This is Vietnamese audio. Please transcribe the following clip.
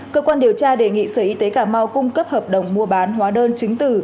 cơ quan điều tra đề nghị sở y tế cà mau cung cấp hợp đồng mua bán hóa đơn chứng từ